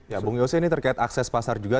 ya bung yose ini terkait akses pasar juga